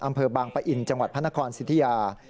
อำเภอบางปะอินจังหวัดพระนครสิทธิยา